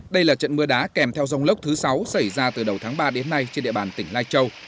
đây là trận mưa đá kèm theo dông lốc thứ sáu xảy ra từ đầu tháng ba đến nay trên địa bàn tỉnh lai châu